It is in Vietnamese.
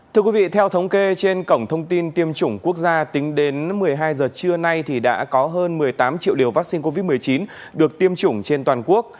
thưa quý vị theo thống kê trên cổng thông tin tiêm chủng quốc gia tính đến một mươi hai giờ trưa nay thì đã có hơn một mươi tám triệu liều vaccine covid một mươi chín được tiêm chủng trên toàn quốc